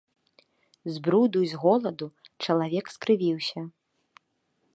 З бруду і з голаду чалавек скрывіўся.